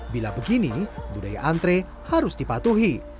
bila begini budaya antre harus dipatuhi